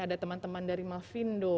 ada teman teman dari mavindo